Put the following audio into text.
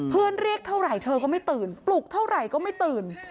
เรียกเท่าไหร่เธอก็ไม่ตื่นปลุกเท่าไหร่ก็ไม่ตื่น